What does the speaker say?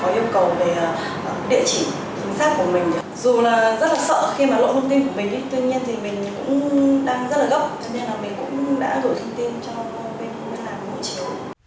đang rất là gốc nên là mình cũng đã gọi thông tin cho bệnh viện làm hộ chiếu